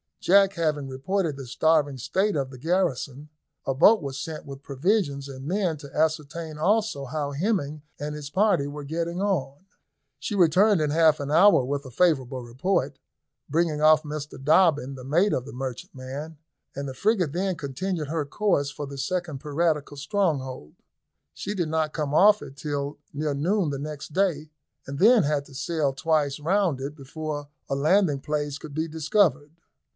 Jack having reported the starving state of the garrison, a boat was sent with provisions and men to ascertain also how Hemming and his party were getting on. She returned in half a hour with a favourable report, bringing off Mr Dobbin, the mate of the merchantman, and the frigate then continued her course for the second piratical stronghold. She did not come off it till near noon the next day, and then had to sail twice round it before a landing place could be discovered.